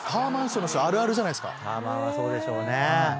タワマンはそうでしょうね。